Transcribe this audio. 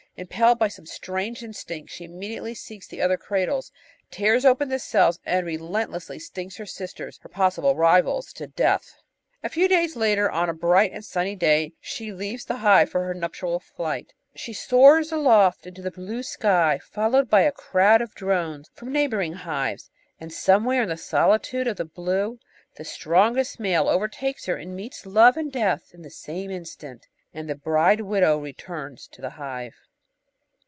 Impelled by some strange instinct, she inmiediately seeks the other cradles, tears open the cells and relentlessly stings her sis ters, her possible rivals, to death ! A few days later, on a bright and sunny day, she leaves the hive for her nuptial flight. She soars aloft into the blue sky followed by a crowd of drones from neighbouring hives, and somewhere in the solitude of the blue the strongest male overtakes her and meets love and death in the same instant; and the bride widow returns to the hive.